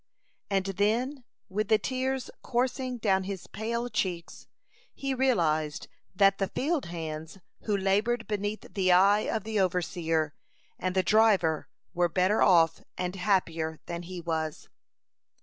And then, with the tears coursing down his pale cheeks, he realized that the field hands who labored beneath the eye of the overseer and the driver were better off and happier than he was.